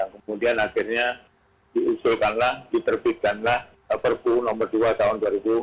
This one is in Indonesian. kemudian akhirnya diusulkanlah diterbitkanlah perbu nomor dua tahun dua ribu tujuh belas